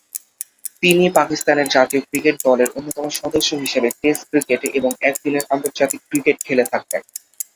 তিনি পাকিস্তান জাতীয় ক্রিকেট দলের অন্যতম সদস্য হিসেবে টেস্ট ক্রিকেট এবং একদিনের আন্তর্জাতিক ক্রিকেট খেলে থাকেন।